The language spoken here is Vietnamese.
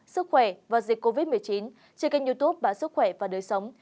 sức khỏe và dịch covid một mươi chín trên kênh youtube báo sức khỏe và đời sống